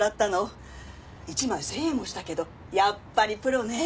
１枚千円もしたけどやっぱりプロね。